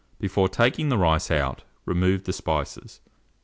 Before taking the rice out, remove the spices.